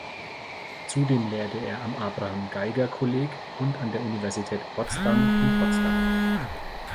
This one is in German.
Zudem lehrte er am Abraham Geiger Kolleg und der Universität Potsdam in Potsdam.